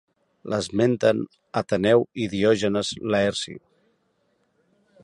L'esmenten Ateneu i Diògenes Laerci.